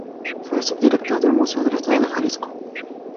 Fue subdirector del Museo del Estado de Jalisco.